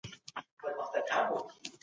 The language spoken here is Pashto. که دروغ ونه وایې نو مینه به نه وي.